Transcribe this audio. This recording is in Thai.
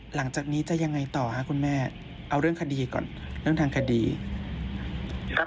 หลังจากนี้จะยังไงต่อครับคุณแม่เอาเรื่องทางคดีก่อน